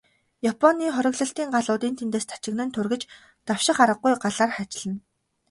Японы хориглолтын галууд энд тэндээс тачигнан тургиж, давших аргагүй галаар хайчилна.